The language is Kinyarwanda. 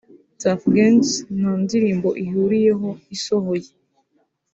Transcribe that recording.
Tuff Gangs nta ndirimbo ihuriyeho isohoye